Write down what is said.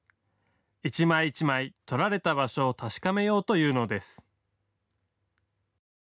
一枚一枚、撮られた場所を確かめようというのです。